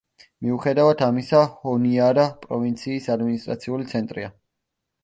მიუხედავად ამისა ჰონიარა პროვინციის ადმინისტრაციული ცენტრია.